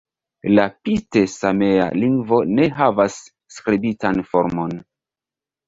La pite-samea lingvo ne havas skribitan formon.